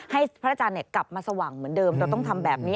ให้พระอาจารย์กลับมาสว่างเหมือนเดิมเราต้องทำแบบนี้